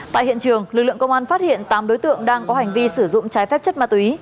tại hiện trường lực lượng công an phát hiện tám đối tượng đang có hành vi sử dụng trái phép chất ma túy